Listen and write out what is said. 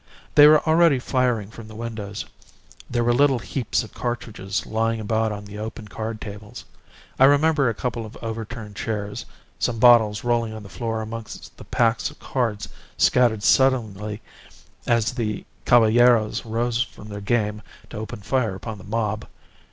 They were already firing from the windows. There were little heaps of cartridges lying about on the open card tables. I remember a couple of overturned chairs, some bottles rolling on the floor amongst the packs of cards scattered suddenly as the caballeros rose from their game to open fire upon the mob.